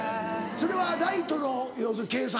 それはライトの要するに計算？